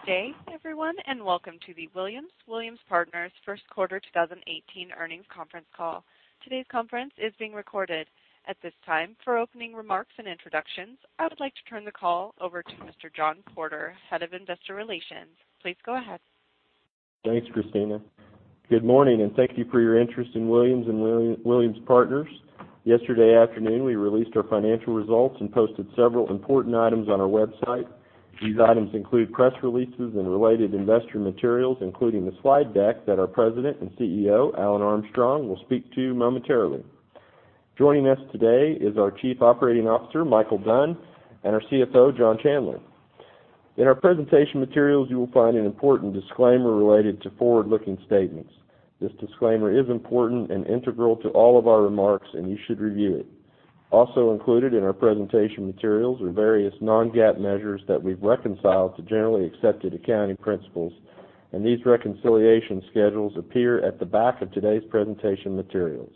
Good day everyone, welcome to the Williams Partners first quarter 2018 earnings conference call. Today's conference is being recorded. At this time, for opening remarks and introductions, I would like to turn the call over to Mr. John Porter, head of investor relations. Please go ahead. Thanks, Christina. Good morning, thank you for your interest in The Williams Companies & Williams Partners. Yesterday afternoon, we released our financial results and posted several important items on our website. These items include press releases and related investor materials, including the slide deck that our president and CEO, Alan Armstrong, will speak to momentarily. Joining us today is our Chief Operating Officer, Micheal Dunn, and our CFO, John Chandler. In our presentation materials, you will find an important disclaimer related to forward-looking statements. This disclaimer is important and integral to all of our remarks, you should review it. Also included in our presentation materials are various non-GAAP measures that we've reconciled to generally accepted accounting principles, and these reconciliation schedules appear at the back of today's presentation materials.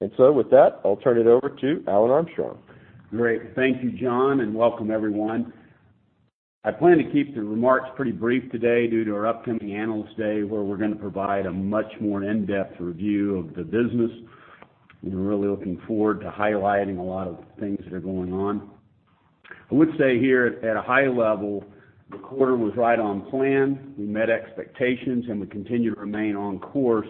With that, I'll turn it over to Alan Armstrong. Great. Thank you, John, welcome everyone. I plan to keep the remarks pretty brief today due to our upcoming Analyst Day, where we're going to provide a much more in-depth review of the business. We're really looking forward to highlighting a lot of things that are going on. I would say here at a high level, the quarter was right on plan. We met expectations, we continue to remain on course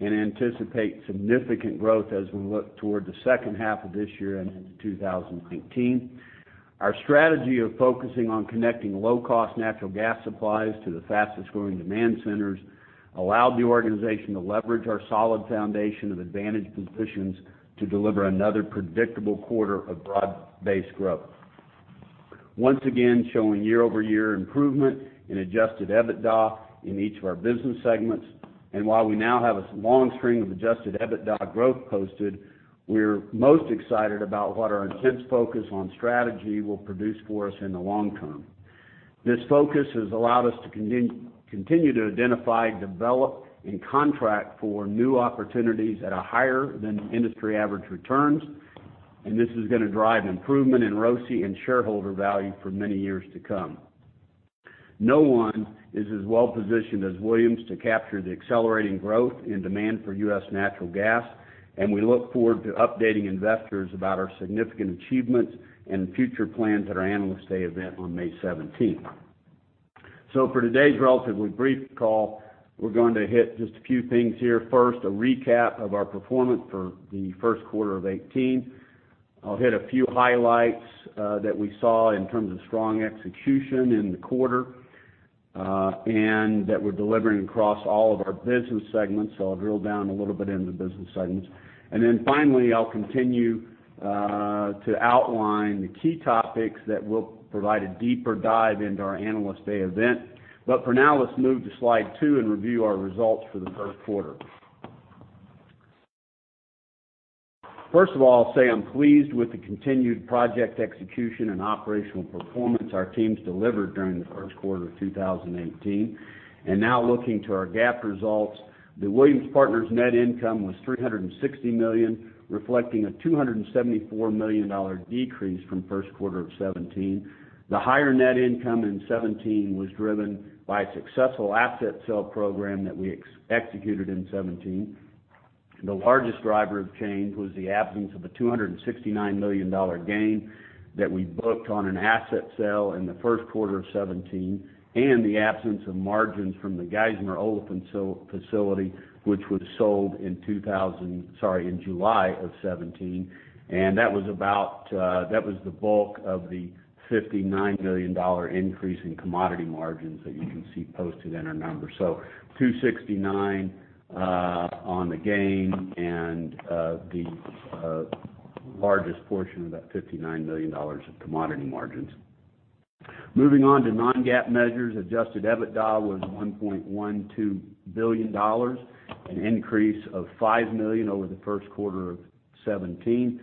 and anticipate significant growth as we look toward the second half of this year and into 2019. Our strategy of focusing on connecting low-cost natural gas supplies to the fastest-growing demand centers allowed the organization to leverage our solid foundation of advantaged positions to deliver another predictable quarter of broad-based growth. Once again, showing year-over-year improvement in adjusted EBITDA in each of our business segments. While we now have a long string of adjusted EBITDA growth posted, we're most excited about what our intense focus on strategy will produce for us in the long term. This focus has allowed us to continue to identify, develop, and contract for new opportunities at a higher-than-industry average returns. This is going to drive improvement in ROCE and shareholder value for many years to come. No one is as well-positioned as The Williams Companies to capture the accelerating growth and demand for U.S. natural gas. We look forward to updating investors about our significant achievements and future plans at our Analyst Day event on May 17th. For today's relatively brief call, we're going to hit just a few things here. First, a recap of our performance for the first quarter of 2018. I'll hit a few highlights that we saw in terms of strong execution in the quarter, that we're delivering across all of our business segments. I'll drill down a little bit into the business segments. Finally, I'll continue to outline the key topics that will provide a deeper dive into our Analyst Day event. For now, let's move to slide two and review our results for the first quarter. First of all, I'll say I'm pleased with the continued project execution and operational performance our teams delivered during the first quarter of 2018. Looking to our GAAP results, the Williams Partners net income was $360 million, reflecting a $274 million decrease from first quarter of 2017. The higher net income in 2017 was driven by a successful asset sale program that we executed in 2017. The largest driver of change was the absence of a $269 million gain that we booked on an asset sale in the first quarter of 2017, the absence of margins from the Geismar Olefins facility, which was sold in July of 2017. That was the bulk of the $59 million increase in commodity margins that you can see posted in our numbers. $269 million on the gain and the largest portion of that, $59 million of commodity margins. Moving on to non-GAAP measures, adjusted EBITDA was $1.12 billion, an increase of $5 million over the first quarter of 2017,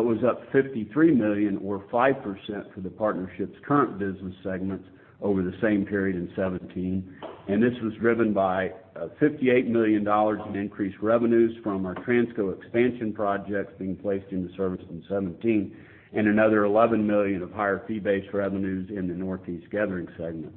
was up $53 million or 5% for the partnership's current business segments over the same period in 2017. This was driven by $58 million in increased revenues from our Transco expansion projects being placed into service in 2017, another $11 million of higher fee-based revenues in the Northeast Gathering segment.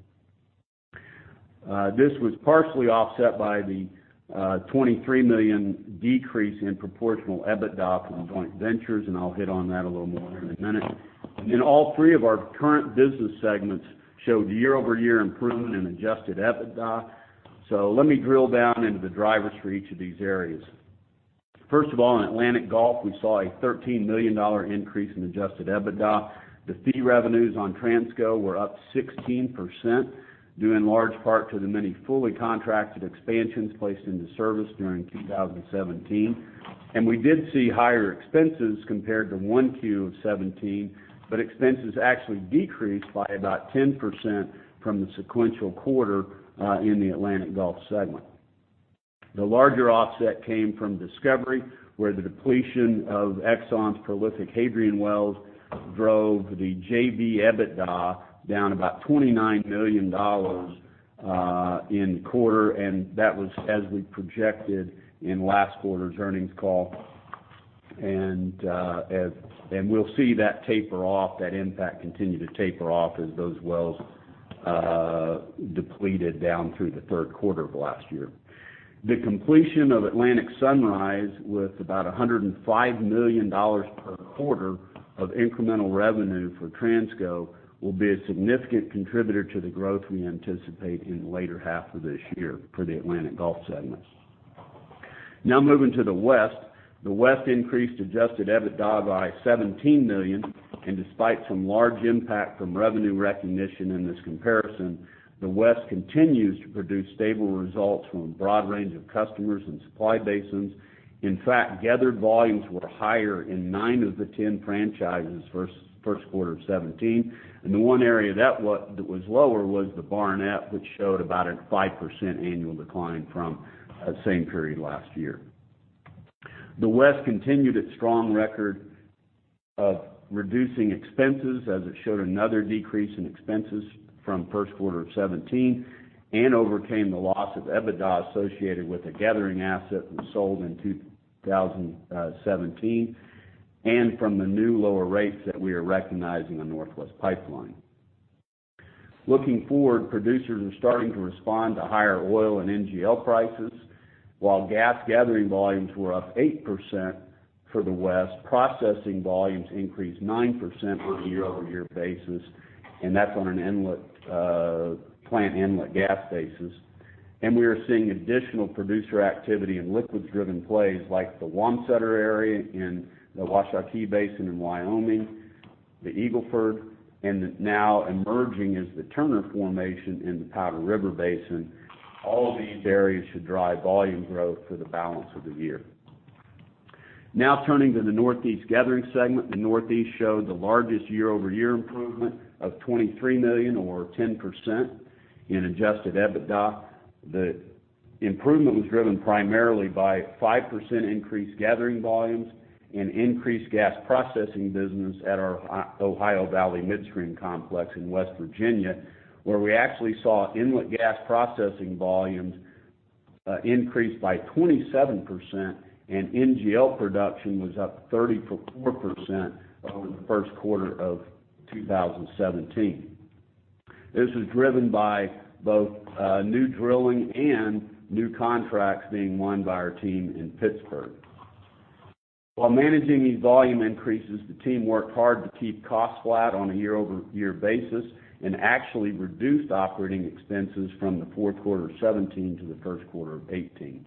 This was partially offset by the $23 million decrease in proportional EBITDA from joint ventures, I'll hit on that a little more here in a minute. All three of our current business segments showed year-over-year improvement in adjusted EBITDA. Let me drill down into the drivers for each of these areas. First of all, in Atlantic-Gulf, we saw a $13 million increase in adjusted EBITDA. The fee revenues on Transco were up 16%, due in large part to the many fully contracted expansions placed into service during 2017. We did see higher expenses compared to 1Q of 2017, expenses actually decreased by about 10% from the sequential quarter in the Atlantic-Gulf segment. The larger offset came from Discovery, where the depletion of Exxon's prolific Hadrian wells drove the JV EBITDA down about $29 million in quarter, that was as we projected in last quarter's earnings call. We'll see that impact continue to taper off as those wells depleted down through the third quarter of last year. The completion of Atlantic Sunrise, with about $105 million per quarter of incremental revenue for Transco, will be a significant contributor to the growth we anticipate in the latter half of this year for the Atlantic-Gulf segments. Moving to the west. The west increased adjusted EBITDA by $17 million, despite some large impact from revenue recognition in this comparison, the west continues to produce stable results from a broad range of customers and supply basins. In fact, gathered volumes were higher in nine of the 10 franchises first quarter of 2017, the one area that was lower was the Barnett, which showed about a 5% annual decline from the same period last year. The west continued its strong record of reducing expenses as it showed another decrease in expenses from first quarter of 2017 and overcame the loss of EBITDA associated with a gathering asset that was sold in 2017 and from the new lower rates that we are recognizing on Northwest Pipeline. Looking forward, producers are starting to respond to higher oil and NGL prices. While gas gathering volumes were up 8% for the west, processing volumes increased 9% on a year-over-year basis, that's on a plant inlet gas basis. We are seeing additional producer activity in liquids-driven plays like the Wamsutter area in the Wasatch-Uinta Basin in Wyoming, the Eagle Ford, and now emerging is the Turner formation in the Powder River Basin. All of these areas should drive volume growth for the balance of the year. Now turning to the Northeast Gathering segment. The Northeast showed the largest year-over-year improvement of $23 million or 10% in adjusted EBITDA. The improvement was driven primarily by 5% increased gathering volumes and increased gas processing business at our Ohio Valley midstream complex in West Virginia, where we actually saw inlet gas processing volumes increase by 27% and NGL production was up 34% over the first quarter of 2017. This was driven by both new drilling and new contracts being won by our team in Pittsburgh. While managing these volume increases, the team worked hard to keep costs flat on a year-over-year basis and actually reduced operating expenses from the fourth quarter of 2017 to the first quarter of 2018.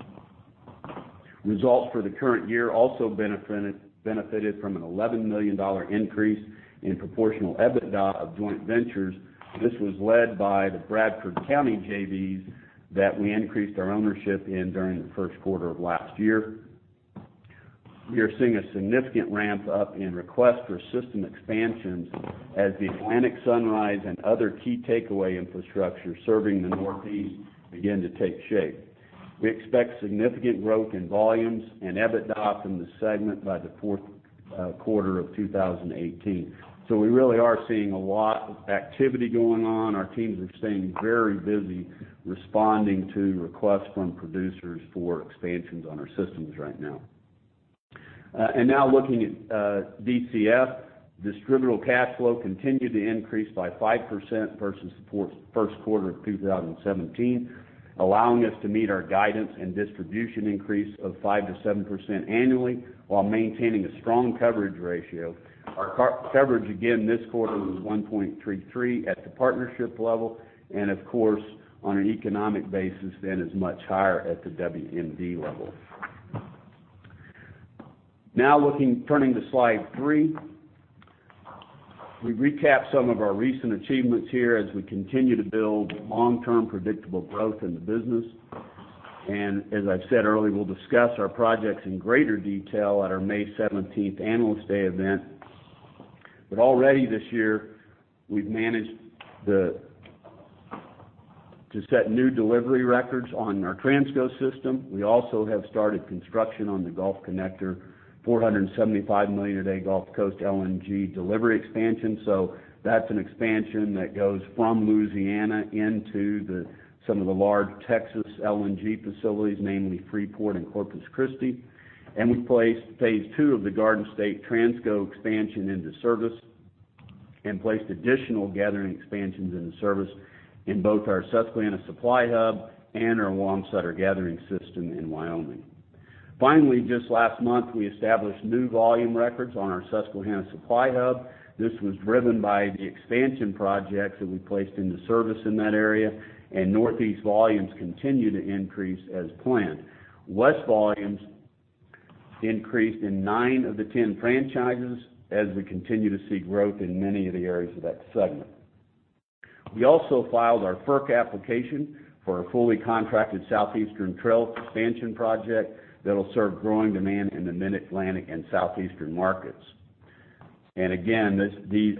Results for the current year also benefited from an $11 million increase in proportional EBITDA of joint ventures. This was led by the Bradford County JVs that we increased our ownership in during the first quarter of last year. We are seeing a significant ramp-up in requests for system expansions as the Atlantic Sunrise and other key takeaway infrastructure serving the Northeast begin to take shape. We expect significant growth in volumes and EBITDA from the segment by the fourth quarter of 2018. We really are seeing a lot of activity going on. Our teams are staying very busy responding to requests from producers for expansions on our systems right now. Now looking at DCF. Distributable cash flow continued to increase by 5% versus the first quarter of 2017, allowing us to meet our guidance and distribution increase of 5%-7% annually while maintaining a strong coverage ratio. Our coverage again this quarter was 1.33 at the partnership level and of course on an economic basis, then is much higher at the WMB level. Now turning to slide three. We recap some of our recent achievements here as we continue to build long-term predictable growth in the business. As I've said earlier, we'll discuss our projects in greater detail at our May 17th Analyst Day event. Already this year, we've managed to set new delivery records on our Transco system. We also have started construction on the Gulf Connector, a $475 million Gulf Coast LNG delivery expansion. That's an expansion that goes from Louisiana into some of the large Texas LNG facilities, namely Freeport and Corpus Christi. We placed phase 2 of the Garden State Transco expansion into service and placed additional gathering expansions into service in both our Susquehanna Supply Hub and our Wamsutter Gathering System in Wyoming. Finally, just last month, we established new volume records on our Susquehanna Supply Hub. This was driven by the expansion projects that we placed into service in that area, and Northeast volumes continue to increase as planned. West volumes increased in nine of the 10 franchises as we continue to see growth in many of the areas of that segment. We also filed our FERC application for a fully contracted Southeastern Trail expansion project that'll serve growing demand in the Mid-Atlantic and Southeastern markets. Again,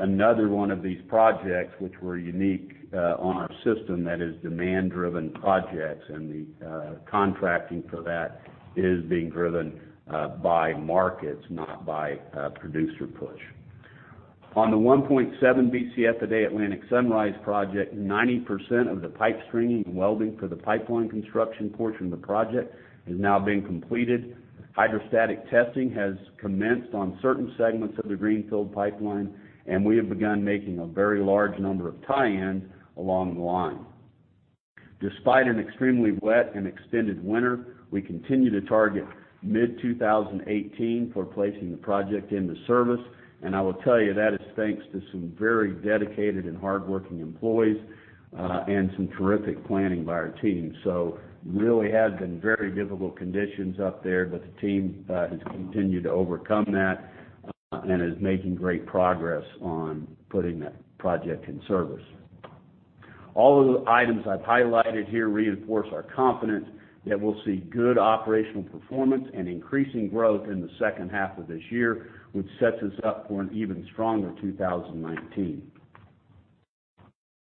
another one of these projects which were unique on our system that is demand-driven projects, and the contracting for that is being driven by markets, not by producer push. On the 1.7 Bcf a day Atlantic Sunrise project, 90% of the pipe stringing and welding for the pipeline construction portion of the project has now been completed. Hydrostatic testing has commenced on certain segments of the greenfield pipeline, and we have begun making a very large number of tie-ins along the line. Despite an extremely wet and extended winter, we continue to target mid-2018 for placing the project into service. I will tell you that is thanks to some very dedicated and hardworking employees, and some terrific planning by our team. Really has been very difficult conditions up there, the team has continued to overcome that, is making great progress on putting that project in service. All of the items I've highlighted here reinforce our confidence that we'll see good operational performance and increasing growth in the second half of this year, which sets us up for an even stronger 2019.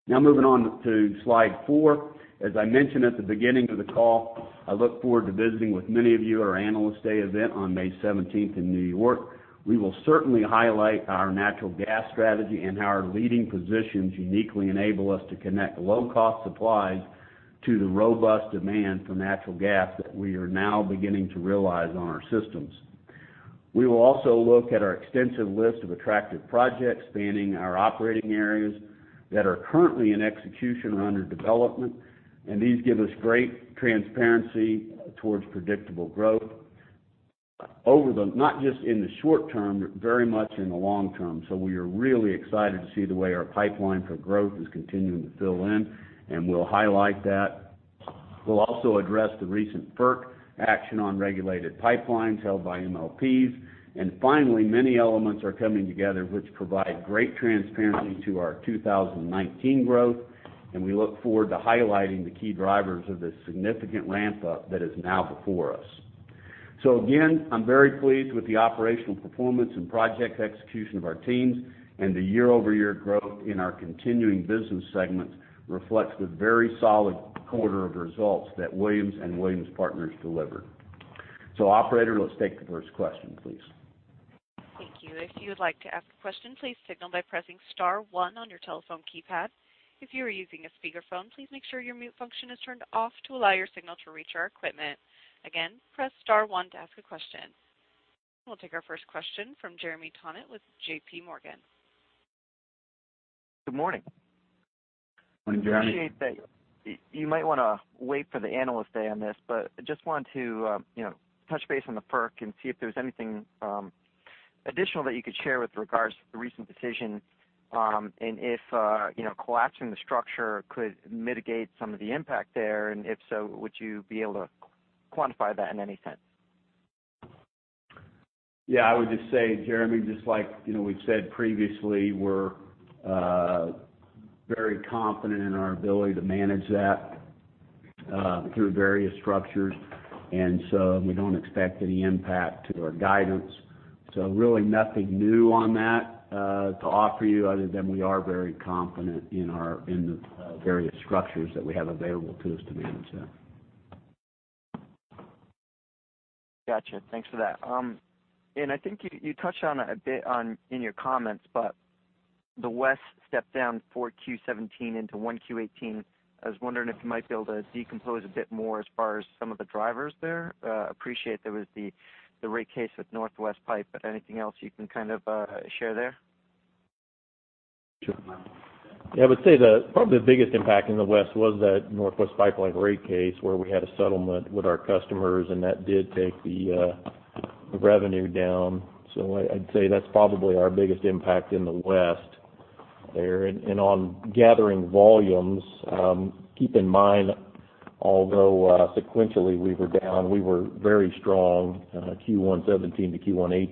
Moving on to slide four. As I mentioned at the beginning of the call, I look forward to visiting with many of you at our Analyst Day event on May 17th in New York. We will certainly highlight our natural gas strategy and how our leading positions uniquely enable us to connect low-cost supplies to the robust demand for natural gas that we are now beginning to realize on our systems. We will also look at our extensive list of attractive projects spanning our operating areas that are currently in execution or under development, these give us great transparency towards predictable growth over the not just in the short term, but very much in the long term. We are really excited to see the way our pipeline for growth is continuing to fill in, we'll highlight that. We'll also address the recent FERC action on regulated pipelines held by MLPs. Finally, many elements are coming together which provide great transparency to our 2019 growth, and we look forward to highlighting the key drivers of this significant ramp-up that is now before us. Again, I'm very pleased with the operational performance and project execution of our teams, and the year-over-year growth in our continuing business segments reflects the very solid quarter of results that Williams and Williams Partners delivered. Operator, let's take the first question, please. Thank you. If you would like to ask a question, please signal by pressing star one on your telephone keypad. If you are using a speakerphone, please make sure your mute function is turned off to allow your signal to reach our equipment. Again, press star one to ask a question. We'll take our first question from Jeremy Tonet with JPMorgan. Good morning. Morning, Jeremy. Appreciate that you might wanna wait for the Analyst Day on this, but just wanted to touch base on the FERC and see if there's anything additional that you could share with regards to the recent decision. If collapsing the structure could mitigate some of the impact there, and if so, would you be able to quantify that in any sense? Yeah, I would just say, Jeremy, just like we've said previously, we're very confident in our ability to manage that through various structures. We don't expect any impact to our guidance. Really nothing new on that to offer you other than we are very confident in the various structures that we have available to us to manage that. Gotcha. Thanks for that. I think you touched on a bit on in your comments, but the west stepped down four Q17 into one Q18. I was wondering if you might be able to decompose a bit more as far as some of the drivers there. Appreciate there was the rate case with Northwest Pipe, anything else you can kind of share there? Sure. Yeah, I would say the, probably the biggest impact in the west was that Northwest Pipeline rate case where we had a settlement with our customers, that did take the revenue down. I'd say that's probably our biggest impact in the west there. On gathering volumes, keep in mind, although sequentially we were down, we were very strong in Q1 2017 to Q1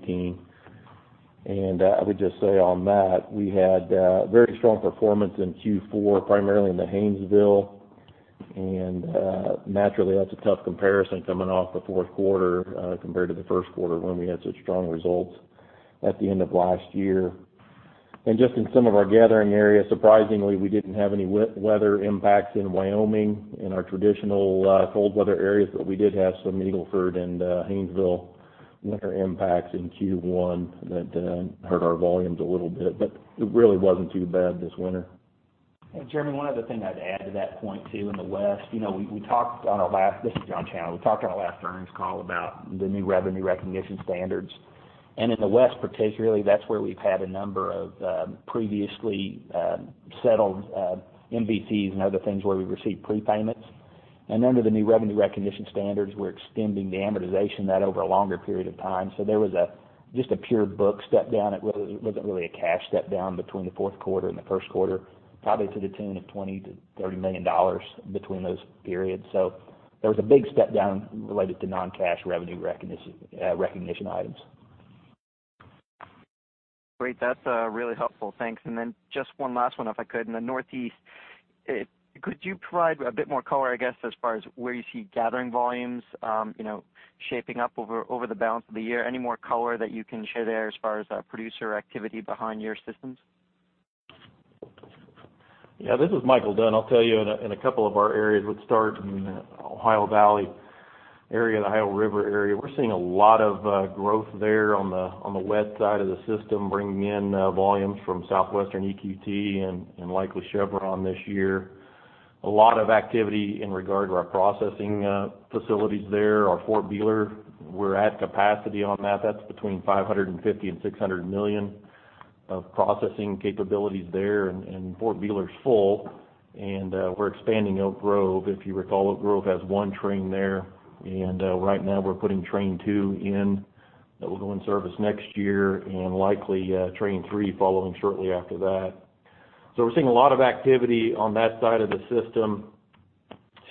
2018. I would just say on that, we had very strong performance in Q4, primarily in the Haynesville. Naturally, that's a tough comparison coming off the fourth quarter compared to the first quarter when we had such strong results at the end of last year. Just in some of our gathering areas, surprisingly, we didn't have any weather impacts in Wyoming in our traditional cold weather areas, but we did have some Eagle Ford and Haynesville winter impacts in Q1 that hurt our volumes a little bit. It really wasn't too bad this winter. Jeremy, one other thing I'd add to that point, too, in the west. We talked on our last. This is John Chandler. We talked on our last earnings call about the new revenue recognition standards. In the west particularly, that's where we've had a number of previously settled MVCs and other things where we received prepayments. Under the new revenue recognition standards, we're extending the amortization of that over a longer period of time. There was a, just a pure book step-down. It wasn't really a cash step-down between the fourth quarter and the first quarter, probably to the tune of $20 million-$30 million between those periods. There was a big step-down related to non-cash revenue recognition items. Great. That's really helpful. Thanks. Then just one last one, if I could. In the northeast, could you provide a bit more color, I guess, as far as where you see gathering volumes shaping up over the balance of the year? Any more color that you can share there as far as producer activity behind your systems? This is Micheal Dunn. I'll tell you, in a couple of our areas, let's start in the Ohio Valley area, the Ohio River area. We're seeing a lot of growth there on the west side of the system, bringing in volumes from Southwestern EQT and likely Chevron this year. A lot of activity in regard to our processing facilities there. Our Fort Beeler, we're at capacity on that. That's between 550 million and 600 million of processing capabilities there, and Fort Beeler's full. We're expanding Oak Grove. If you recall, Oak Grove has one train there, and right now we're putting train 2 in. That will go in service next year, and likely train 3 following shortly after that. We're seeing a lot of activity on that side of the system.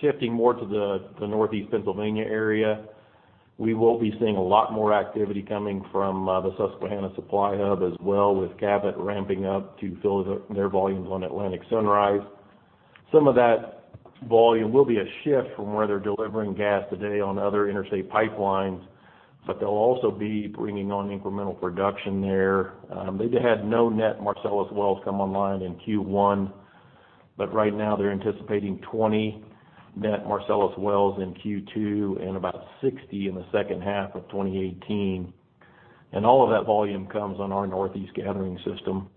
Shifting more to the Northeast Pennsylvania area, we will be seeing a lot more activity coming from the Susquehanna Supply Hub as well, with Cabot ramping up to fill their volumes on Atlantic Sunrise. Some of that volume will be a shift from where they're delivering gas today on other interstate pipelines, but they'll also be bringing on incremental production there. They had no net Marcellus wells come online in Q1. Right now they're anticipating 20 net Marcellus wells in Q2 and about 60 in the second half of 2018. All of that volume comes on our Northeast gathering system.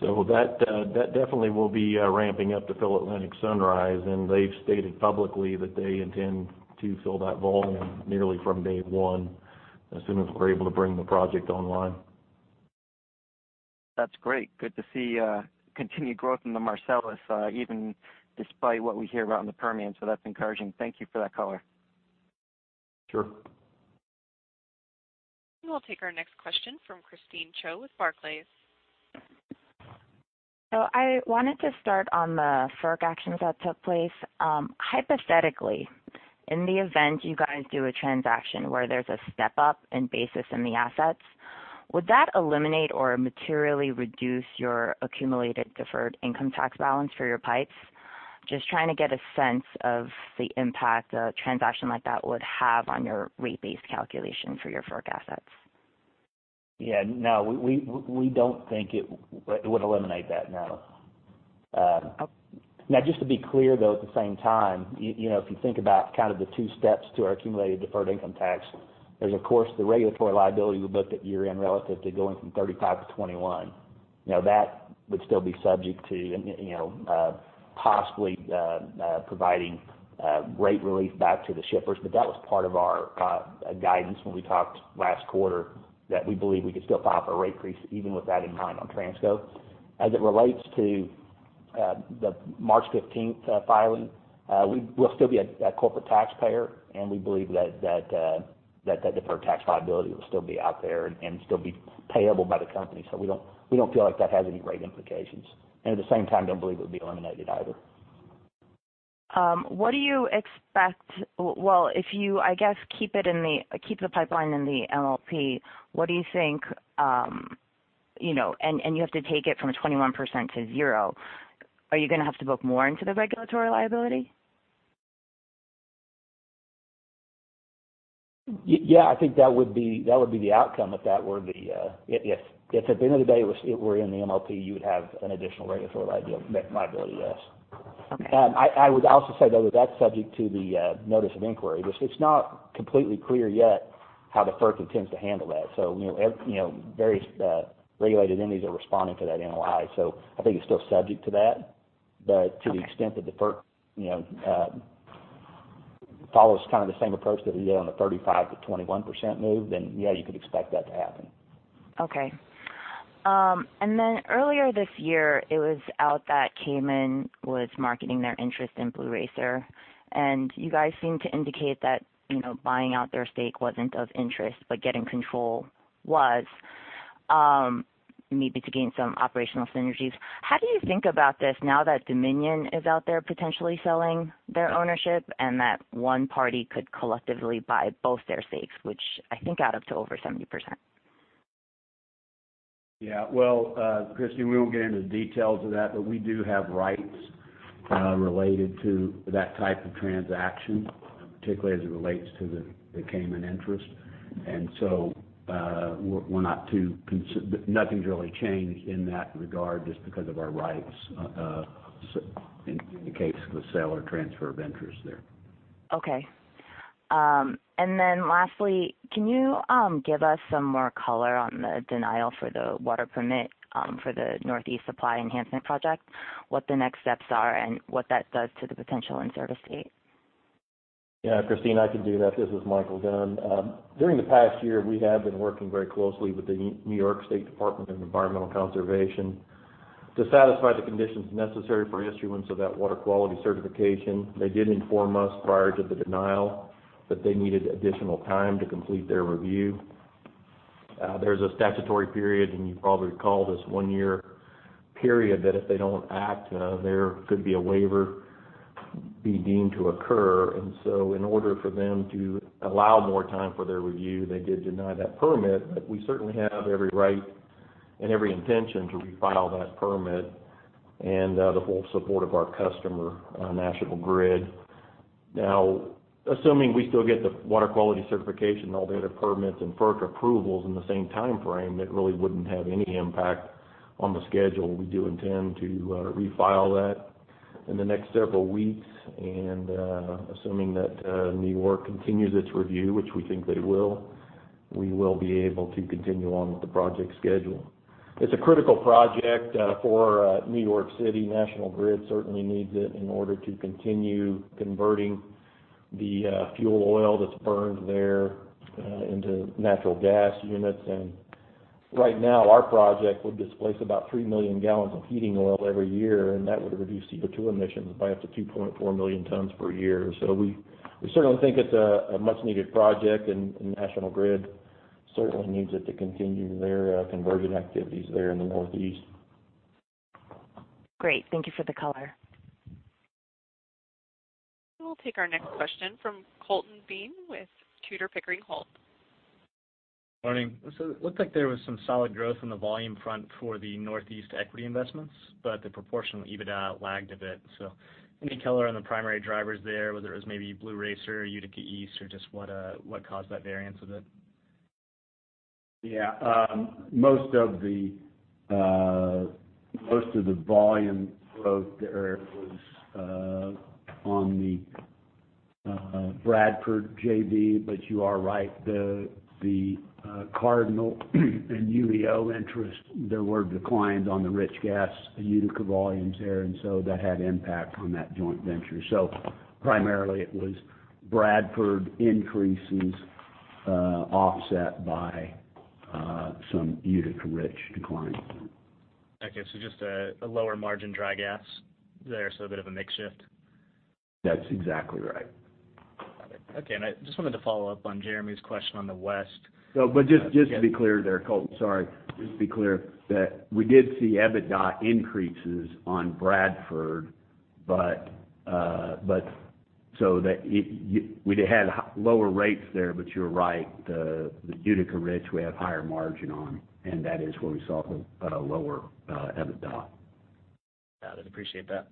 That definitely will be ramping up to fill Atlantic Sunrise, and they've stated publicly that they intend to fill that volume nearly from day one, as soon as we're able to bring the project online. That's great. Good to see continued growth in the Marcellus, even despite what we hear about in the Permian. That's encouraging. Thank you for that color. Sure. We'll take our next question from Christine Cho with Barclays. I wanted to start on the FERC actions that took place. Hypothetically, in the event you guys do a transaction where there's a step-up in basis in the assets, would that eliminate or materially reduce your accumulated deferred income tax balance for your pipes? Just trying to get a sense of the impact a transaction like that would have on your rate base calculation for your FERC assets. Yeah. No, we don't think it would eliminate that, no. Okay. Just to be clear, though, at the same time, if you think about kind of the two steps to our accumulated deferred income tax, there's of course the regulatory liability we booked at year-end relative to going from 35 to 21. That would still be subject to possibly providing rate relief back to the shippers. That was part of our guidance when we talked last quarter, that we believe we could still file for a rate increase even with that in mind on Transco. As it relates to the March 15th filing, we'll still be a corporate taxpayer, and we believe that deferred tax liability will still be out there and still be payable by the company. We don't feel like that has any rate implications, and at the same time, don't believe it would be eliminated either. Well, if you, I guess, keep the pipeline in the MLP, and you have to take it from 21%-0%. Are you going to have to book more into the regulatory liability? Yeah, I think that would be the outcome if at the end of the day, it were in the MLP, you would have an additional regulatory liability, yes. Okay. I would also say, though, that's subject to the notice of inquiry. It's not completely clear yet how the FERC intends to handle that. Various regulated entities are responding to that NOI, I think it's still subject to that. To the extent that the FERC follows kind of the same approach that we did on the 35%-21% move, yeah, you could expect that to happen. Okay. Earlier this year, it was out that Caiman was marketing their interest in Blue Racer, you guys seemed to indicate that buying out their stake wasn't of interest, but getting control was, maybe to gain some operational synergies. How do you think about this now that Dominion is out there potentially selling their ownership and that one party could collectively buy both their stakes, which I think add up to over 70%? Yeah. Well, Christine, we won't get into the details of that, we do have rights related to that type of transaction, particularly as it relates to the Caiman interest. We're not too concerned. Nothing's really changed in that regard just because of our rights in the case of the sale or transfer of interest there. Okay. Lastly, can you give us some more color on the denial for the water permit for the Northeast Supply Enhancement project, what the next steps are and what that does to the potential in-service date? Yeah, Christine, I can do that. This is Micheal Dunn. During the past year, we have been working very closely with the New York State Department of Environmental Conservation to satisfy the conditions necessary for issuance of that water quality certification. They did inform us prior to the denial that they needed additional time to complete their review. There's a statutory period, and you probably recall this one-year period that if they don't act, there could be a waiver be deemed to occur. In order for them to allow more time for their review, they did deny that permit. We certainly have every right and every intention to refile that permit and the full support of our customer, National Grid Assuming we still get the water quality certification and all the other permits and FERC approvals in the same timeframe, it really wouldn't have any impact on the schedule. We do intend to refile that in the next several weeks, and assuming that New York continues its review, which we think they will, we will be able to continue on with the project schedule. It's a critical project for New York City. National Grid certainly needs it in order to continue converting the fuel oil that's burned there into natural gas units. And right now, our project would displace about 3 million gallons of heating oil every year, and that would reduce CO2 emissions by up to 2.4 million tons per year. We certainly think it's a much-needed project, and National Grid certainly needs it to continue their conversion activities there in the Northeast. Great. Thank you for the color. We'll take our next question from Colton Bean with Tudor, Pickering, Holt. Morning. It looked like there was some solid growth on the volume front for the Northeast equity investments, but the proportional EBITDA lagged a bit. Any color on the primary drivers there, whether it was maybe Blue Racer or Utica East, or just what caused that variance a bit? Yeah. Most of the volume growth there was on the Bradford JV. You are right, the Cardinal and UEO interest, there were declines on the rich gas Utica volumes there. That had impact on that joint venture. Primarily, it was Bradford increases offset by some Utica rich declines. Okay. Just a lower margin dry gas there, a bit of a mix shift. That's exactly right. Got it. Okay. I just wanted to follow up on Jeremy Tonet's question on the west. Just to be clear there, Colton Bean, sorry. Just to be clear that we did see EBITDA increases on Bradford, we'd have had lower rates there, but you're right. The Utica rich, we have higher margin on, and that is where we saw the lower EBITDA. Got it. Appreciate that.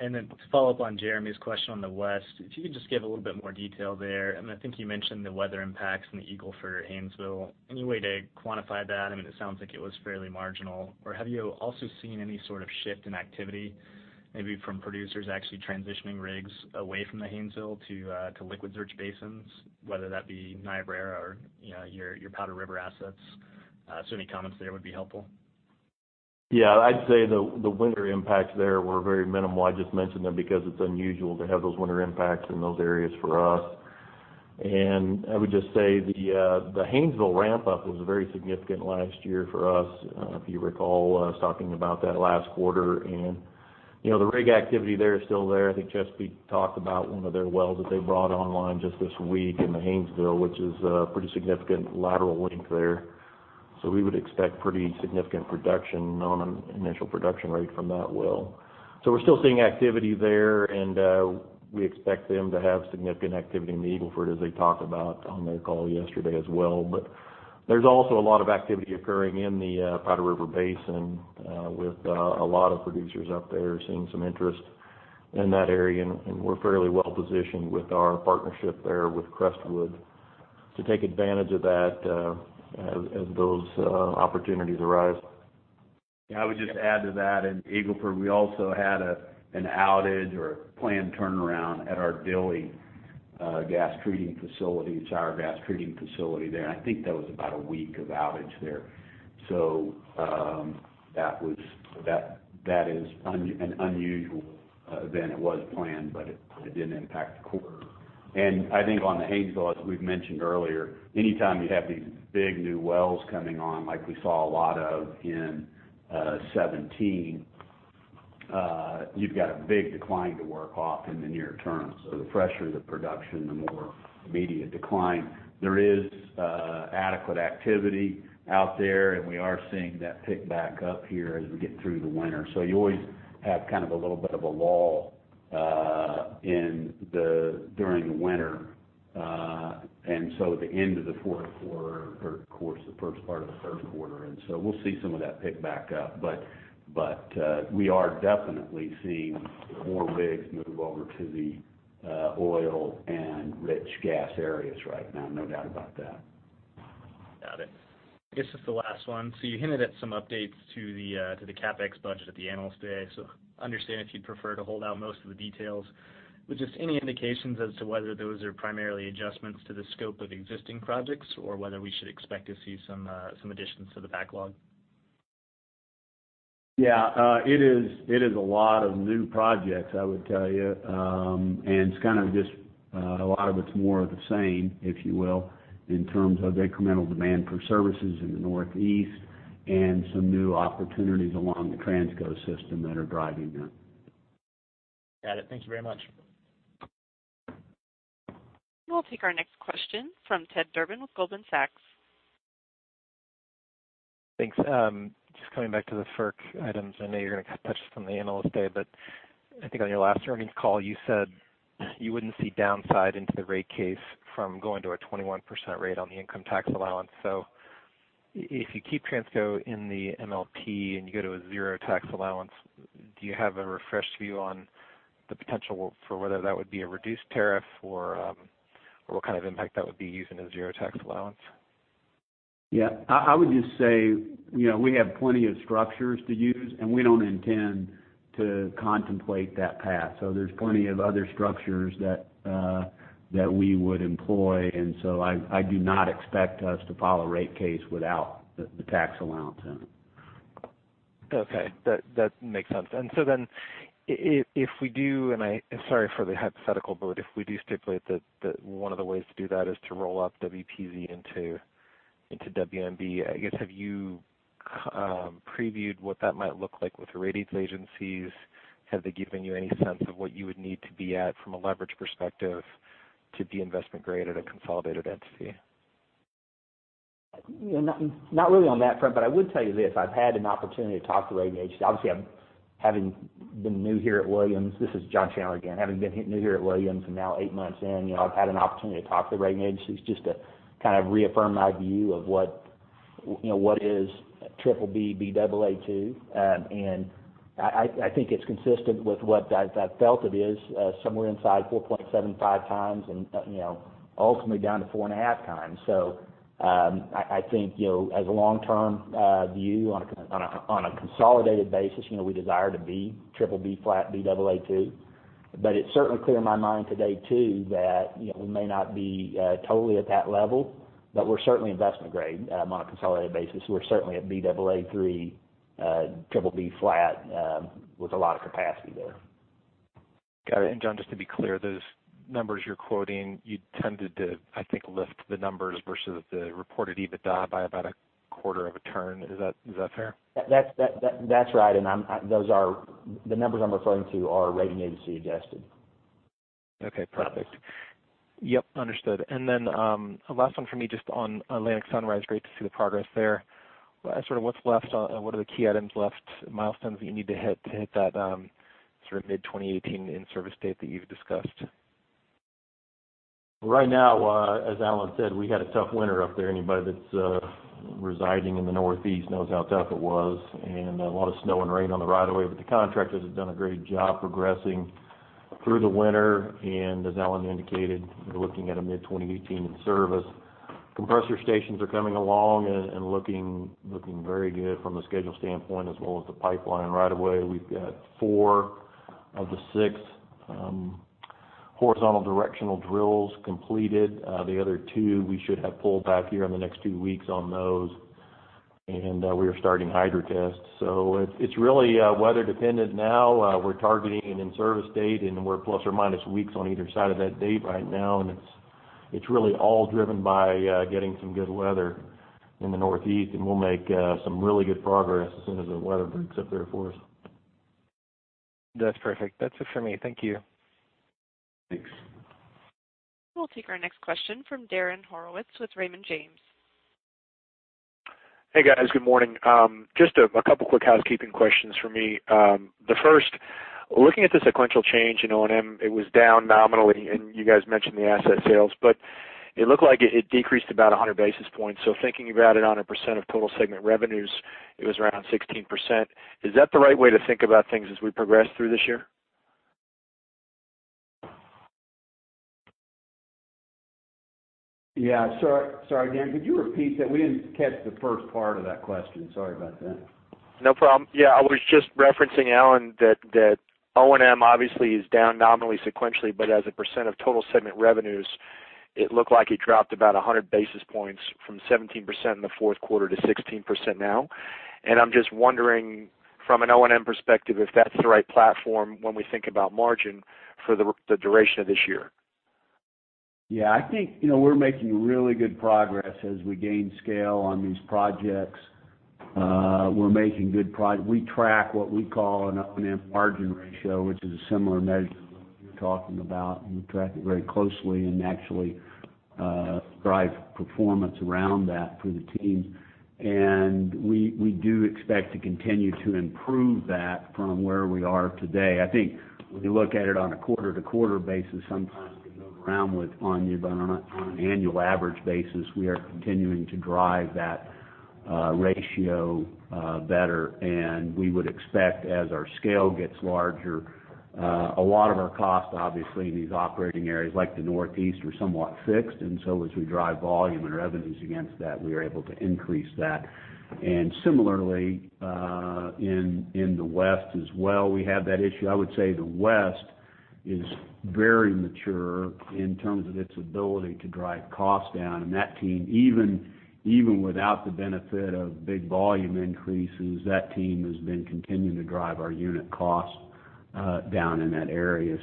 To follow up on Jeremy Tonet's question on the west, if you could just give a little bit more detail there. I think you mentioned the weather impacts in the Eagle Ford Haynesville. Any way to quantify that? It sounds like it was fairly marginal. Or have you also seen any sort of shift in activity, maybe from producers actually transitioning rigs away from the Haynesville to liquid-rich basins, whether that be Niobrara or your Powder River assets? Any comments there would be helpful. Yeah. I'd say the winter impacts there were very minimal. I just mentioned them because it's unusual to have those winter impacts in those areas for us. I would just say the Haynesville ramp-up was very significant last year for us. If you recall us talking about that last quarter. The rig activity there is still there. I think Chesapeake Energy talked about one of their wells that they brought online just this week in the Haynesville, which is a pretty significant lateral length there. We would expect pretty significant production on an initial production rate from that well. We're still seeing activity there, and we expect them to have significant activity in the Eagle Ford, as they talked about on their call yesterday as well. There's also a lot of activity occurring in the Powder River Basin with a lot of producers up there seeing some interest in that area, and we're fairly well-positioned with our partnership there with Crestwood to take advantage of that as those opportunities arise. Yeah, I would just add to that. In Eagle Ford, we also had an outage or a planned turnaround at our Dilley gas treating facility, tower gas treating facility there, and I think that was about a week of outage there. That is an unusual event. It was planned, but it did impact the quarter. I think on the Haynesville, as we've mentioned earlier, anytime you have these big new wells coming on like we saw a lot of in 2017, you've got a big decline to work off in the near term. The fresher the production, the more immediate decline. There is adequate activity out there, and we are seeing that pick back up here as we get through the winter. You always have kind of a little bit of a lull during the winter. At the end of the fourth quarter, or of course, the first part of the first quarter. We'll see some of that pick back up. We are definitely seeing more rigs move over to the oil and rich gas areas right now, no doubt about that. Got it. I guess just the last one. You hinted at some updates to the CapEx budget at the Analyst Day. I understand if you'd prefer to hold out most of the details. Just any indications as to whether those are primarily adjustments to the scope of existing projects or whether we should expect to see some additions to the backlog? Yeah. It is a lot of new projects, I would tell you. A lot of it's more of the same, if you will, in terms of incremental demand for services in the Northeast and some new opportunities along the Transco system that are driving that. Got it. Thank you very much. We'll take our next question from Ted Durbin with Goldman Sachs. Thanks. Just coming back to the FERC items. I know you're going to touch on the Analyst Day, but I think on your last earnings call, you said you wouldn't see downside into the rate case from going to a 21% rate on the income tax allowance. If you keep Transco in the MLP and you go to a zero tax allowance, do you have a refreshed view on the potential for whether that would be a reduced tariff or what kind of impact that would be using a zero tax allowance? I would just say, we have plenty of structures to use, and we don't intend to contemplate that path. There's plenty of other structures that we would employ. I do not expect us to file a rate case without the tax allowance in. That makes sense. If we do, sorry for the hypothetical, but if we do stipulate that one of the ways to do that is to roll up WPZ into WMB, I guess, have you previewed what that might look like with the ratings agencies? Have they given you any sense of what you would need to be at from a leverage perspective to be investment-grade at a consolidated entity? Not really on that front, I would tell you this. I've had an opportunity to talk to the rating agency. Obviously, having been new here at Williams, this is John Chandler again. Having been new here at Williams, and now eight months in, I've had an opportunity to talk to the rating agencies just to kind of reaffirm my view of what is BBB, Baa2. I think it's consistent with what I've felt it is, somewhere inside 4.75 times and ultimately down to four and a half times. I think, as a long-term view on a consolidated basis, we desire to be BBB flat, Baa2. It's certainly clear in my mind today, too, that we may not be totally at that level, but we're certainly investment-grade on a consolidated basis. We're certainly at Baa3, BBB flat with a lot of capacity there. Got it. John, just to be clear, those numbers you're quoting, you tended to, I think, lift the numbers versus the reported EBITDA by about a quarter of a turn. Is that fair? That's right. The numbers I'm referring to are rating agency-adjusted. Okay, perfect. Yep, understood. Last one for me, just on Atlantic Sunrise. Great to see the progress there. What are the key items left, milestones that you need to hit to hit that sort of mid-2018 in-service date that you've discussed? Right now, as Alan said, we had a tough winter up there. Anybody that's residing in the Northeast knows how tough it was, and a lot of snow and rain on the right of way. The contractors have done a great job progressing through the winter. As Alan indicated, we're looking at a mid-2018 in-service. Compressor stations are coming along and looking very good from a schedule standpoint as well as the pipeline. Right away, we've got four of the six horizontal directional drills completed. The other two we should have pulled back here in the next two weeks on those. We are starting hydrotests. It's really weather dependent now. We're targeting an in-service date, and we're plus or minus weeks on either side of that date right now, and it's really all driven by getting some good weather in the Northeast, and we'll make some really good progress as soon as the weather breaks up there for us. That's perfect. That's it for me. Thank you. Thanks. We'll take our next question from Darren Horowitz with Raymond James. Hey, guys. Good morning. Just a couple quick housekeeping questions from me. The first, looking at the sequential change in O&M, it was down nominally, and you guys mentioned the asset sales, but it looked like it decreased about 100 basis points. Thinking about it on a % of total segment revenues, it was around 16%. Is that the right way to think about things as we progress through this year? Yeah. Sorry, Darren, could you repeat that? We didn't catch the first part of that question. Sorry about that. No problem. Yeah, I was just referencing, Alan, that O&M obviously is down nominally, sequentially, but as a percent of total segment revenues, it looked like it dropped about 100 basis points from 17% in the fourth quarter to 16% now. I'm just wondering from an O&M perspective, if that's the right platform when we think about margin for the duration of this year. Yeah, I think we're making really good progress as we gain scale on these projects. We track what we call an O&M margin ratio, which is a similar measure to what you're talking about. We track it very closely and actually drive performance around that for the team. We do expect to continue to improve that from where we are today. I think when you look at it on a quarter-to-quarter basis, sometimes it can move around on you, but on an annual average basis, we are continuing to drive that ratio better, and we would expect as our scale gets larger. A lot of our costs, obviously, in these operating areas like the Northeast, are somewhat fixed, so as we drive volume and revenues against that, we are able to increase that. Similarly, in the West as well, we have that issue. I would say the West is very mature in terms of its ability to drive costs down, that team, even without the benefit of big volume increases, that team has been continuing to drive our unit costs down in that area.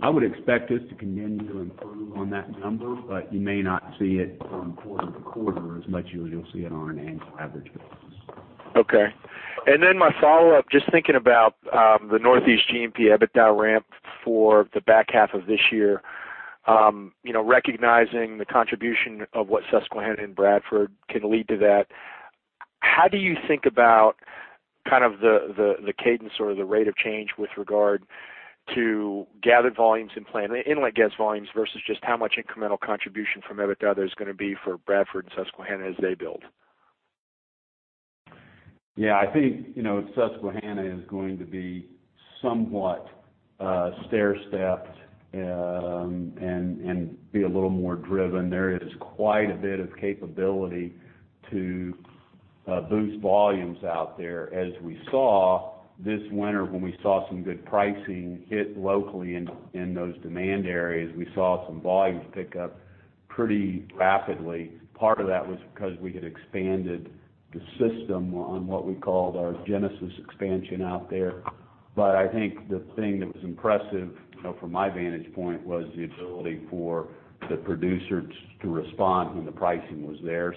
I would expect us to continue to improve on that number, but you may not see it from quarter to quarter as much as you'll see it on an annual average basis. Okay. My follow-up, just thinking about the Northeast G&P EBITDA ramp for the back half of this year. Recognizing the contribution of what Susquehanna and Bradford can lead to that. How do you think about the cadence or the rate of change with regard to gathered volumes and planned inlet gas volumes versus just how much incremental contribution from EBITDA there's going to be for Bradford and Susquehanna as they build? I think, Susquehanna is going to be somewhat stair-stepped and be a little more driven. There is quite a bit of capability to boost volumes out there. As we saw this winter when we saw some good pricing hit locally in those demand areas, we saw some volumes pick up pretty rapidly. Part of that was because we had expanded the system on what we called our Genesis expansion out there. I think the thing that was impressive from my vantage point was the ability for the producers to respond when the pricing was there.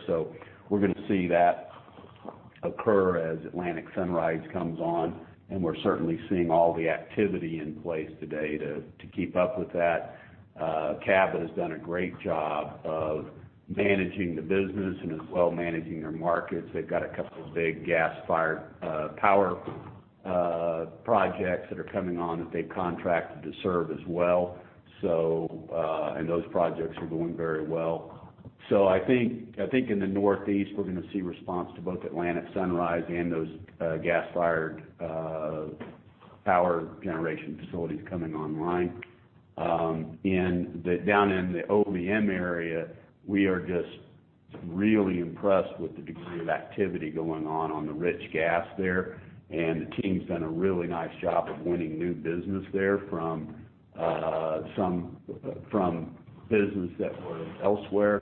We're going to see that occur as Atlantic Sunrise comes on, and we're certainly seeing all the activity in place today to keep up with that. Cabot has done a great job of managing the business and as well managing their markets. They've got a couple of big gas-fired power projects that are coming on that they contracted to serve as well. Those projects are going very well. I think in the Northeast, we're going to see response to both Atlantic Sunrise and those gas-fired power generation facilities coming online. Down in the OVM area, we are just really impressed with the degree of activity going on on the rich gas there, the team's done a really nice job of winning new business there from business that was elsewhere.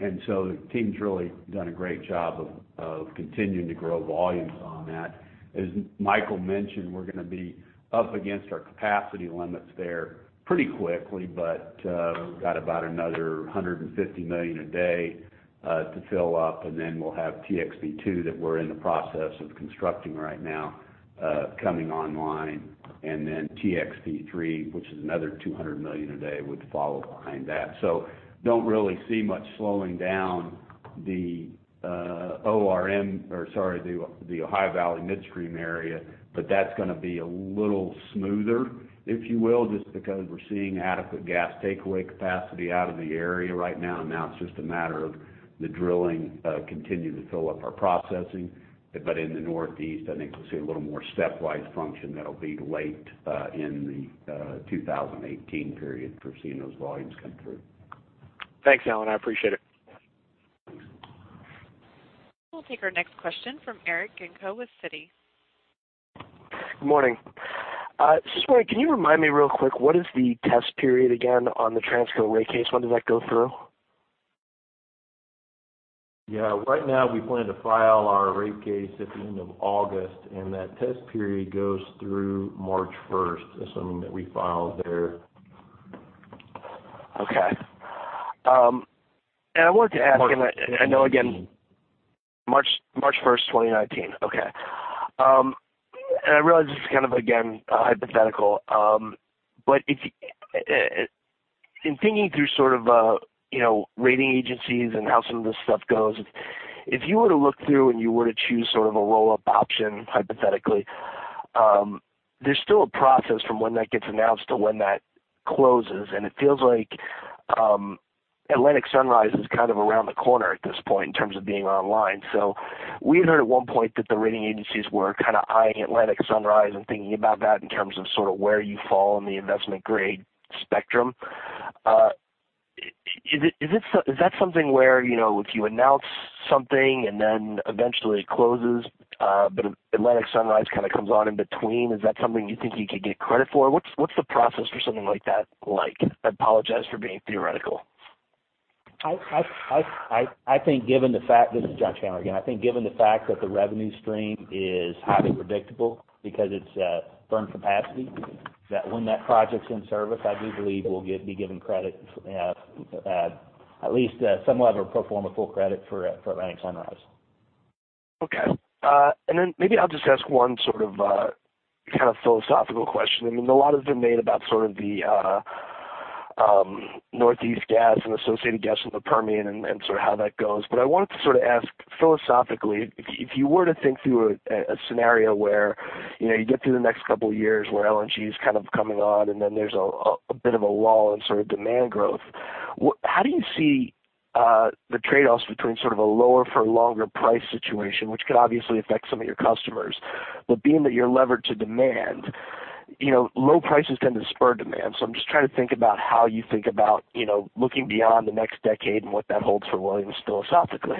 The team's really done a great job of continuing to grow volumes on that. As Micheal mentioned, we're going to be up against our capacity limits there pretty quickly, we've got about another 150 million a day to fill up, then we'll have TXV-2 that we're in the process of constructing right now coming online, then TXV-3, which is another 200 million a day, would follow behind that. Don't really see much slowing down the Ohio Valley midstream area. That's going to be a little smoother, if you will, just because we're seeing adequate gas takeaway capacity out of the area right now. Now it's just a matter of the drilling continuing to fill up our processing. In the Northeast, I think we'll see a little more stepwise function that'll be late in the 2018 period for seeing those volumes come through. Thanks, Alan. I appreciate it. We'll take our next question from Eric Genco with Citi. Good morning. Just wondering, can you remind me real quick, what is the test period again on the Transco rate case? When does that go through? Yeah. Right now, we plan to file our rate case at the end of August, that test period goes through March 1st, assuming that we file there. Okay. I wanted to ask. March 1st, 2019. March 1st, 2019. Okay. I realize this is kind of, again, a hypothetical. In thinking through sort of rating agencies and how some of this stuff goes, if you were to look through and you were to choose sort of a roll-up option, hypothetically, there's still a process from when that gets announced to when that closes, and it feels like Atlantic Sunrise is kind of around the corner at this point in terms of being online. We had heard at one point that the rating agencies were kind of eyeing Atlantic Sunrise and thinking about that in terms of sort of where you fall in the investment grade spectrum. Is that something where if you announce something and then eventually it closes, but Atlantic Sunrise kind of comes on in between, is that something you think you could get credit for? What's the process for something like that like? I apologize for being theoretical. This is John Chandler again. I think given the fact that the revenue stream is highly predictable because it's firm capacity, that when that project's in service, I do believe we'll be given credit, at least some level, pro forma full credit for Atlantic Sunrise. Okay. Maybe I'll just ask one sort of philosophical question. I mean, a lot has been made about sort of the Northeast gas and associated gas from the Permian and sort of how that goes. I wanted to sort of ask philosophically, if you were to think through a scenario where you get through the next couple of years where LNG is kind of coming on and then there's a bit of a lull in sort of demand growth, how do you see the trade-offs between sort of a lower for longer price situation, which could obviously affect some of your customers. Being that you're levered to demand, low prices tend to spur demand. I'm just trying to think about how you think about looking beyond the next decade and what that holds for Williams philosophically.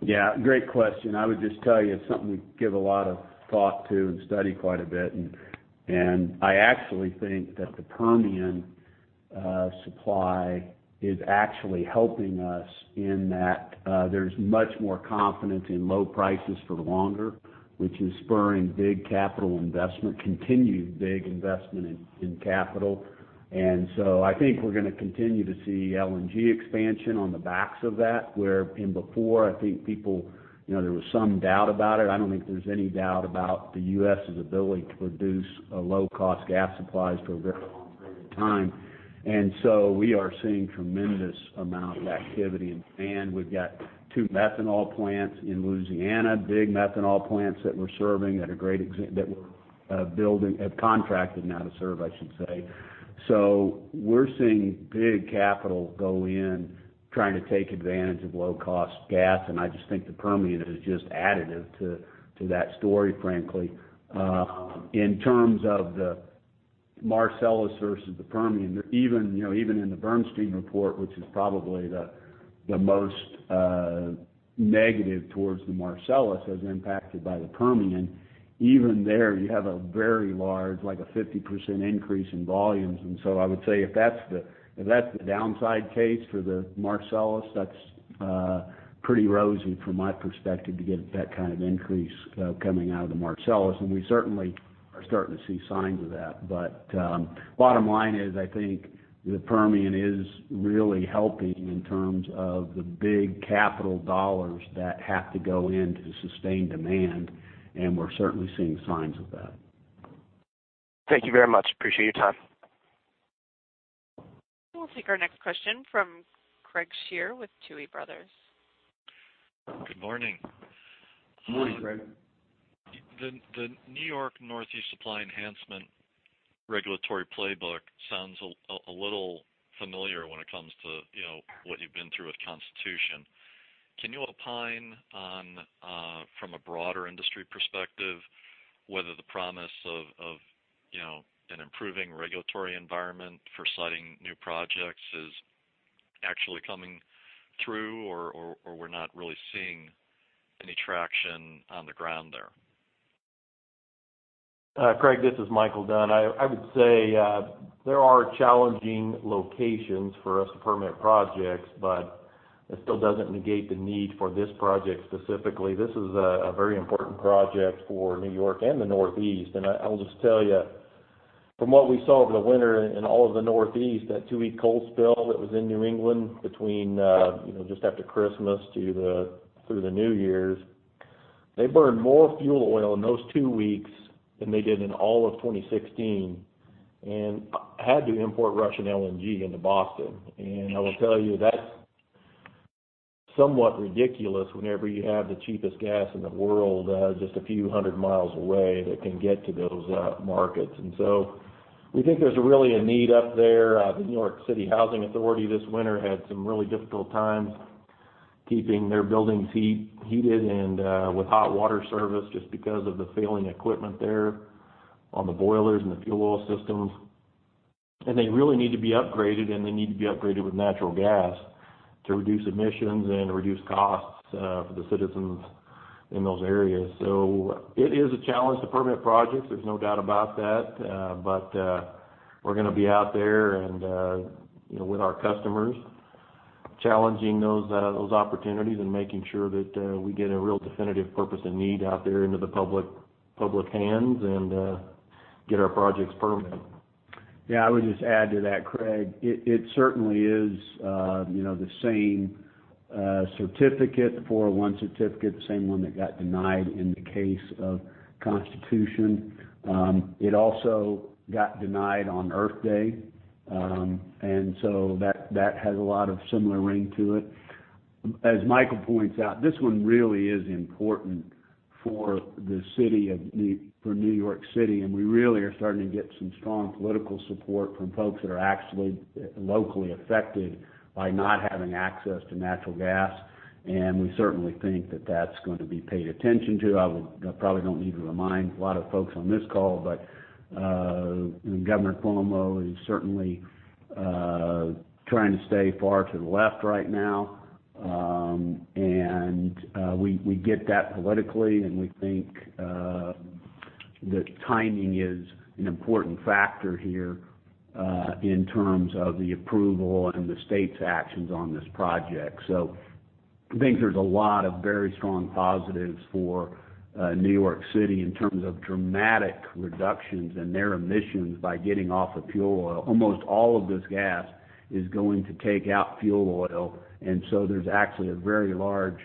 Yeah. Great question. I would just tell you it's something we give a lot of thought to and study quite a bit. I actually think that the Permian supply is actually helping us in that there's much more confidence in low prices for longer, which is spurring big capital investment, continued big investment in capital. I think we're going to continue to see LNG expansion on the backs of that, where before I think there was some doubt about it. I don't think there's any doubt about the U.S.'s ability to produce low-cost gas supplies for a very long time. We are seeing tremendous amount of activity. We've got two methanol plants in Louisiana, big methanol plants that we're serving that we're building, have contracted now to serve, I should say. We're seeing big capital go in trying to take advantage of low-cost gas, and I just think the Permian is just additive to that story, frankly. In terms of the Marcellus versus the Permian, even in the Bernstein report, which is probably the most negative towards the Marcellus as impacted by the Permian, even there you have a very large, like a 50% increase in volumes. I would say if that's the downside case for the Marcellus, that's pretty rosy from my perspective to get that kind of increase coming out of the Marcellus. Bottom line is, I think the Permian is really helping in terms of the big capital dollars that have to go in to sustain demand, and we're certainly seeing signs of that. Thank you very much. Appreciate your time. We'll take our next question from Craig Shere with Tuohy Brothers. Good morning. Morning, Craig. The New York Northeast Supply Enhancement regulatory playbook sounds a little familiar when it comes to what you've been through with Constitution. Can you opine on, from a broader industry perspective, whether the promise of an improving regulatory environment for siting new projects is actually coming through or we're not really seeing any traction on the ground there? Craig, this is Micheal Dunn. I would say there are challenging locations for us to permit projects, but it still doesn't negate the need for this project specifically. This is a very important project for New York and the Northeast. I'll just tell you, from what we saw over the winter in all of the Northeast, that two-week cold spell that was in New England between just after Christmas through the New Year's, they burned more fuel oil in those two weeks than they did in all of 2016, and had to import Russian LNG into Boston. I will tell you, that's somewhat ridiculous whenever you have the cheapest gas in the world just a few hundred miles away that can get to those markets. We think there's really a need up there. The New York City Housing Authority this winter had some really difficult times keeping their buildings heated and with hot water service, just because of the failing equipment there on the boilers and the fuel oil systems. They really need to be upgraded, and they need to be upgraded with natural gas to reduce emissions and reduce costs for the citizens in those areas. It is a challenge to permit projects, there's no doubt about that. We're going to be out there and with our customers challenging those opportunities and making sure that we get a real definitive purpose and need out there into the public hands and get our projects permitted. Yeah, I would just add to that, Craig. It certainly is the same Section 401 certificate, same one that got denied in the case of Constitution. It also got denied on Earth Day, that has a lot of similar ring to it. As Micheal points out, this one really is important for New York City, we really are starting to get some strong political support from folks that are actually locally affected by not having access to natural gas, we certainly think that that's going to be paid attention to. I probably don't need to remind a lot of folks on this call, Governor Cuomo is certainly trying to stay far to the left right now, we get that politically, we think the timing is an important factor here in terms of the approval and the state's actions on this project. I think there's a lot of very strong positives for New York City in terms of dramatic reductions in their emissions by getting off of fuel oil. Almost all of this gas is going to take out fuel oil, there's actually a very large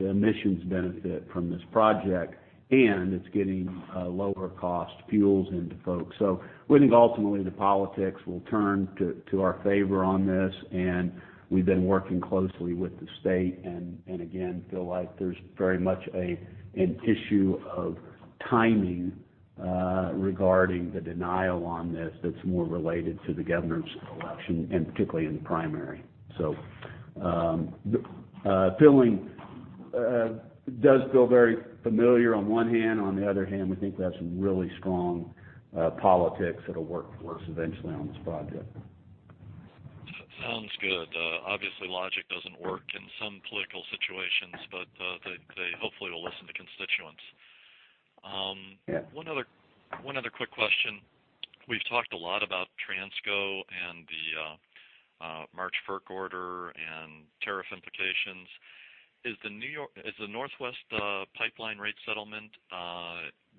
emissions benefit from this project, it's getting lower cost fuels into folks. We think ultimately the politics will turn to our favor on this, we've been working closely with the state, again, feel like there's very much an issue of timing regarding the denial on this that's more related to the governor's election, particularly in the primary. Does feel very familiar on one hand. On the other hand, we think we have some really strong politics that'll work for us eventually on this project. Sounds good. Obviously logic doesn't work in some political situations, they hopefully will listen to constituents. Yeah. One other quick question. We've talked a lot about Transco and the March FERC order and tariff implications. Is the Northwest Pipeline rate settlement,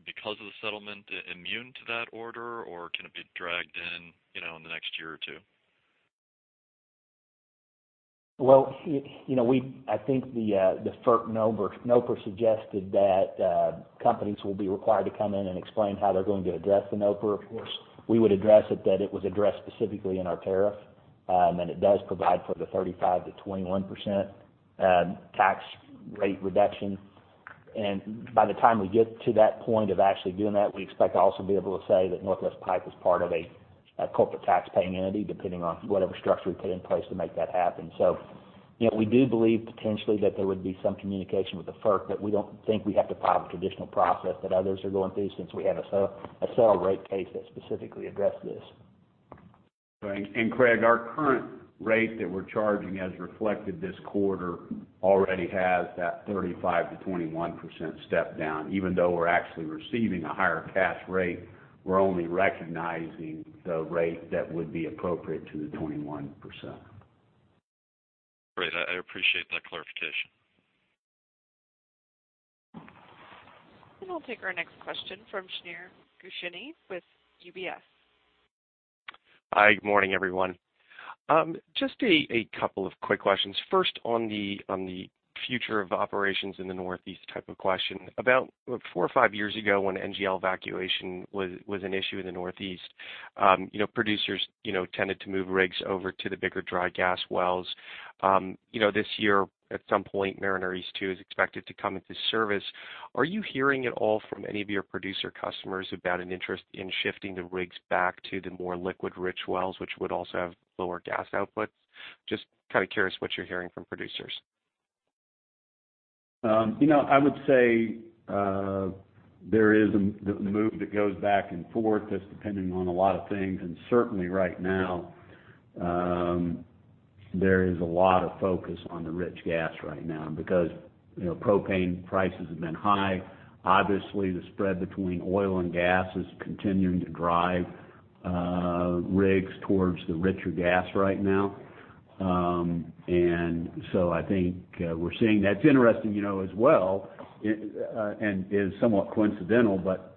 because of the settlement, immune to that order, can it be dragged in in the next year or two? Well, I think the FERC NOPR suggested that companies will be required to come in and explain how they're going to address the NOPR. Of course, we would address it that it was addressed specifically in our tariff, it does provide for the 35%-21% tax rate reduction. By the time we get to that point of actually doing that, we expect to also be able to say that Northwest Pipe is part of a corporate tax-paying entity, depending on whatever structure we put in place to make that happen. We do believe potentially that there would be some communication with the FERC, we don't think we have to follow the traditional process that others are going through since we have a settled rate case that specifically addressed this. Right. Craig, our current rate that we're charging, as reflected this quarter, already has that 35%-21% step down. Even though we're actually receiving a higher cash rate, we're only recognizing the rate that would be appropriate to the 21%. Great. I appreciate that clarification. We'll take our next question from Shneur Gershuni with UBS. Hi, good morning, everyone. Just a couple of quick questions. First, on the future of operations in the Northeast type of question. About four or five years ago, when NGL evacuation was an issue in the Northeast, producers tended to move rigs over to the bigger dry gas wells. This year, at some point, Mariner East 2 is expected to come into service. Are you hearing at all from any of your producer customers about an interest in shifting the rigs back to the more liquid-rich wells, which would also have lower gas outputs? Just kind of curious what you're hearing from producers. I would say there is the move that goes back and forth that's dependent on a lot of things, and certainly right now, there is a lot of focus on the rich gas right now because propane prices have been high. Obviously, the spread between oil and gas is continuing to drive rigs towards the richer gas right now. I think we're seeing that's interesting as well, is somewhat coincidental, but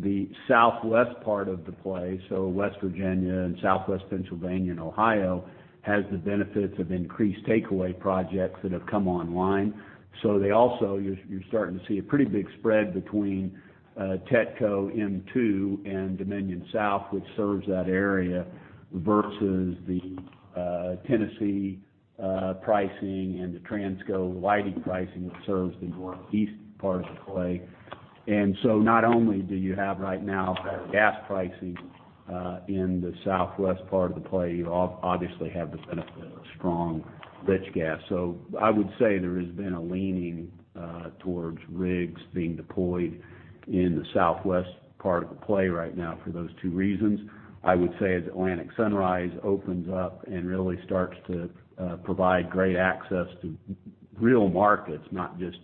the southwest part of the play, so West Virginia and Southwest Pennsylvania and Ohio, has the benefits of increased takeaway projects that have come online. They also-- You're starting to see a pretty big spread between TETCO M-2 and Dominion South, which serves that area, versus the Tennessee pricing and the Transco/Leidy Hub pricing, which serves the northeast part of the play. Not only do you have right now better gas pricing in the southwest part of the play, you obviously have the benefit of strong rich gas. I would say there has been a leaning towards rigs being deployed in the southwest part of the play right now for those two reasons. As Atlantic Sunrise opens up and really starts to provide great access to real markets, not just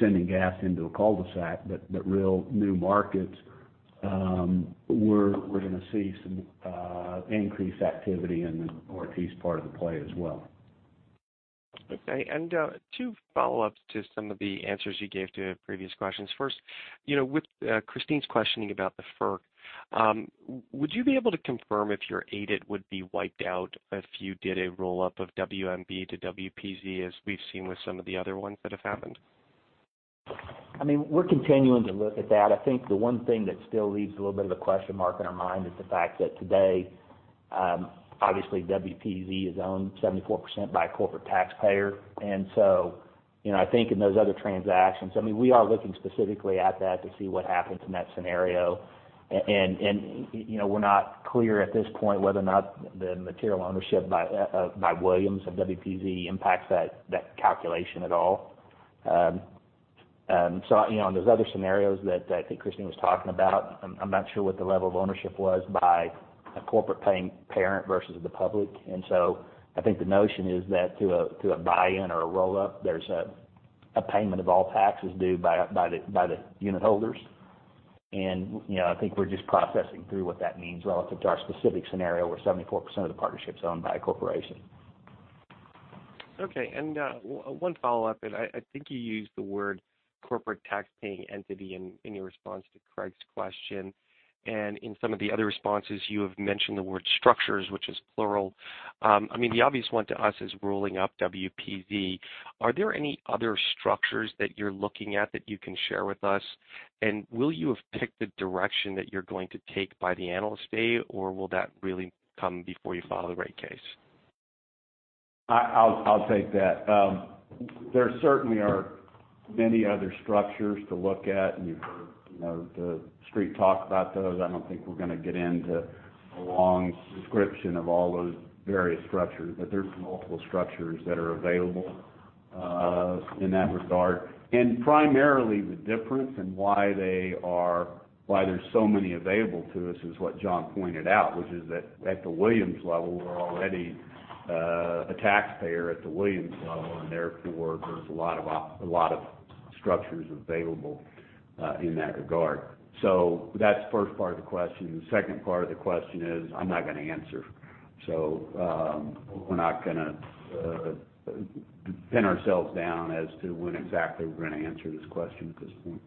sending gas into a cul-de-sac, but real new markets, we're going to see some increased activity in the northeast part of the play as well. Two follow-ups to some of the answers you gave to previous questions. First, with Christine's questioning about the FERC, would you be able to confirm if your ADIT would be wiped out if you did a roll-up of WMB to WPZ as we've seen with some of the other ones that have happened? We're continuing to look at that. I think the one thing that still leaves a little bit of a question mark in our mind is the fact that today, obviously WPZ is owned 74% by a corporate taxpayer. We are looking specifically at that to see what happens in that scenario. We're not clear at this point whether or not the material ownership by Williams of WPZ impacts that calculation at all. There's other scenarios that I think Christine was talking about. I'm not sure what the level of ownership was by a corporate-paying parent versus the public. I think the notion is that to a buy-in or a roll-up, there's a payment of all taxes due by the unitholders. I think we're just processing through what that means relative to our specific scenario where 74% of the partnership's owned by a corporation. Okay. One follow-up, I think you used the word corporate tax-paying entity in your response to Craig's question, and in some of the other responses, you have mentioned the word structures, which is plural. The obvious one to us is rolling up WPZ. Are there any other structures that you're looking at that you can share with us? Will you have picked the direction that you're going to take by the Analyst Day, or will that really come before you file the rate case? I'll take that. There certainly are many other structures to look at, and you've heard the Street talk about those. I don't think we're going to get into a long description of all those various structures. There's multiple structures that are available in that regard. Primarily the difference and why there's so many available to us is what John pointed out, which is that at the Williams level, we're already a taxpayer at the Williams level, and therefore, there's a lot of structures available in that regard. That's the first part of the question. The second part of the question is, I'm not going to answer. We're not going to pin ourselves down as to when exactly we're going to answer this question at this point.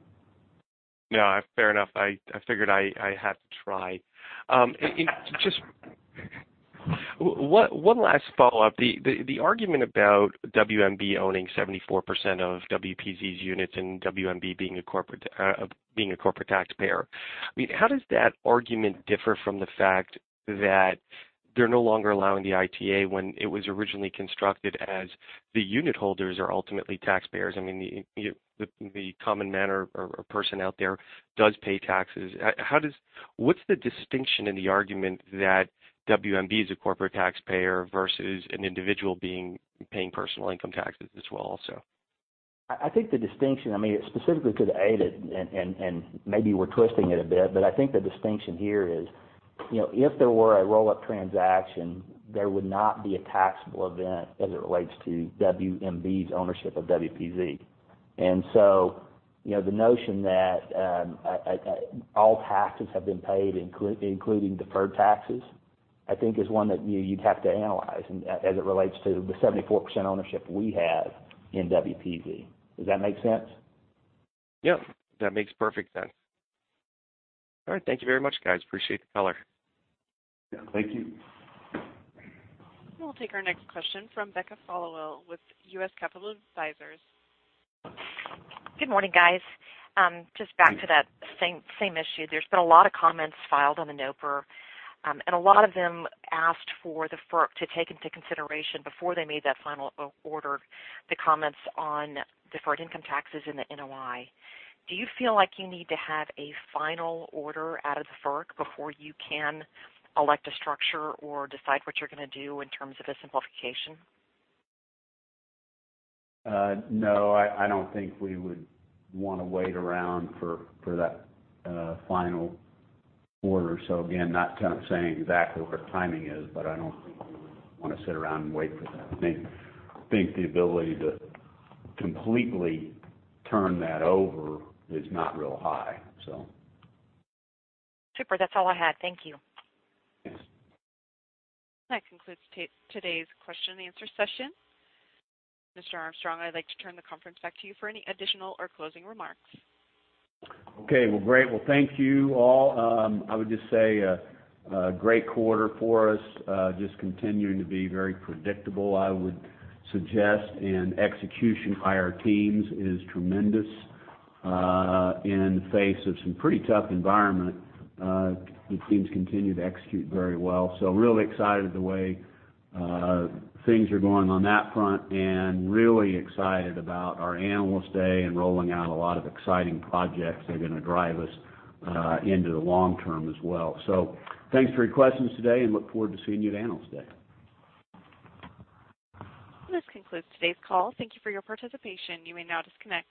No, fair enough. I figured I had to try. Just one last follow-up. The argument about WMB owning 74% of WPZ's units and WMB being a corporate taxpayer. How does that argument differ from the fact that they're no longer allowing the ITA when it was originally constructed as the unit holders are ultimately taxpayers? I mean, the common manner or person out there does pay taxes. What's the distinction in the argument that WMB is a corporate taxpayer versus an individual paying personal income taxes as well also? I think the distinction, specifically to the ADIT, and maybe we're twisting it a bit, but I think the distinction here is, if there were a roll-up transaction, there would not be a taxable event as it relates to WMB's ownership of WPZ. The notion that all taxes have been paid, including deferred taxes, I think is one that you'd have to analyze as it relates to the 74% ownership we have in WPZ. Does that make sense? Yep. That makes perfect sense. All right. Thank you very much, guys. Appreciate the color. Yeah. Thank you. We'll take our next question from Becca Followill with U.S. Capital Advisors. Good morning, guys. Just back to that same issue. There's been a lot of comments filed on the NOPR. A lot of them asked for the FERC to take into consideration before they made that final order, the comments on deferred income taxes in the NOI. Do you feel like you need to have a final order out of the FERC before you can elect a structure or decide what you're going to do in terms of a simplification? No, I don't think we would want to wait around for that final order. Again, not saying exactly what the timing is, I don't think we would want to sit around and wait for that. I think the ability to completely turn that over is not real high. Super. That's all I had. Thank you. Yes. That concludes today's question and answer session. Mr. Armstrong, I'd like to turn the conference back to you for any additional or closing remarks. Okay. Well, great. Well, thank you all. I would just say a great quarter for us. Just continuing to be very predictable, I would suggest, and execution by our teams is tremendous. In the face of some pretty tough environment, the teams continue to execute very well. Really excited the way things are going on that front and really excited about our Analyst Day and rolling out a lot of exciting projects that are going to drive us into the long term as well. Thanks for your questions today and look forward to seeing you at Analyst Day. This concludes today's call. Thank you for your participation. You may now disconnect.